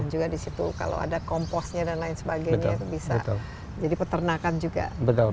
juga disitu kalau ada komposnya dan lain sebagainya bisa jadi peternakan juga